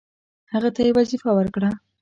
هغه ته یې وظیفه ورکړه.